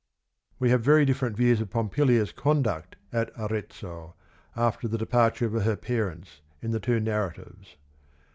We have very different views of Pompilia's conduct at Arezzo, after the departure of her parents, in the two narratives.